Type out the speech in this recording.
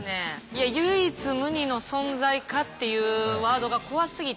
いや「唯一無二の存在か」っていうワードが怖すぎて。